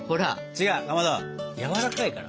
違うかまどやわらかいから。